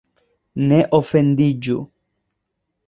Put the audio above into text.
Ne ofendiĝu!